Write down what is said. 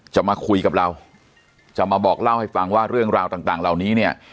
มาคุยกับเราจะมาบอกเล่าให้ฟังว่าเรื่องราวต่างเหล่านี้เนี่ย